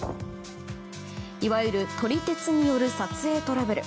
いわゆる撮り鉄による撮影トラブル。